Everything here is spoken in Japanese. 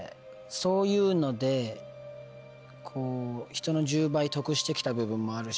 そういうのでひとの１０倍得して来た部分もあるし。